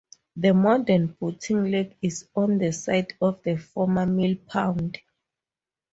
The modern boating lake is on the site of the former mill pond.